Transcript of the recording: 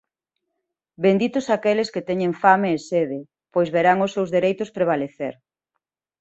Benditos aqueles que teñen fame e sede... pois verán os seus dereitos prevalecer.